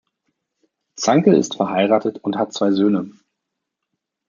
Zankl ist verheiratet und hat zwei Söhne.